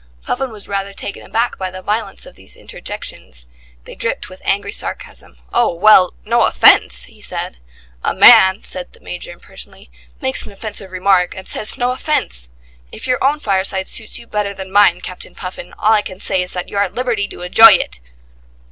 Puffin was rather taken aback by the violence of these interjections; they dripped with angry sarcasm. "Oh, well! No offence," he said. "A man," said the Major impersonally, "makes an offensive remark, and says 'No offence'. If your own fireside suits you better than mine, Captain Puffin, all I can say is that you're at liberty to enjoy it!"